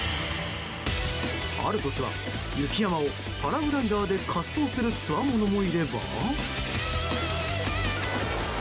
ある時は雪山をパラグライダーで滑走するつわものもいれば。